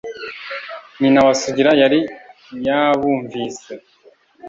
Nyina wa Sugira yari yabumvise.